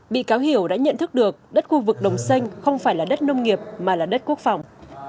bị cáo hiểu đã nhận thức được đất khu vực đồng xanh không phải là đất nông nghiệp mà là đất quốc phòng